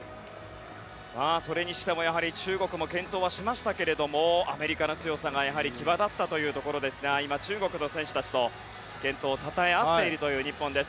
それにしてもやはり中国も健闘はしましたけれどもアメリカの強さが際立ったというところですが今、中国の選手たちと健闘をたたえ合っているという日本です。